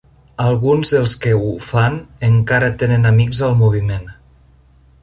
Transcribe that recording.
Alguns dels que ho fan encara tenen amics al moviment.